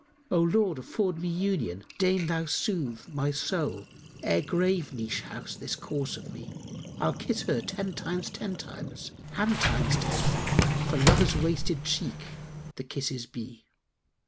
O Lord, afford me union, deign Thou soothe * My soul, ere grave niche house this corse of me; I'll kiss her ten times ten times, and times ten * For lover's wasted cheek the kisses be!"